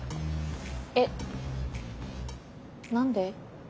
えっ何で？